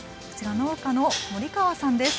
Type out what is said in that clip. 農家の森川さんです。